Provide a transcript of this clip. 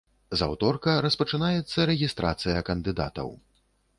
З аўторка распачынаецца рэгістрацыя кандыдатаў.